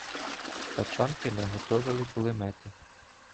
Тачанки наготовили кулемети.